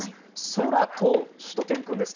空としゅと犬くんです。